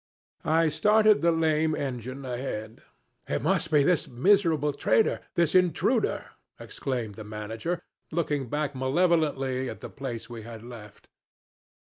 "I started the lame engine ahead. 'It must be this miserable trader this intruder,' exclaimed the manager, looking back malevolently at the place we had left.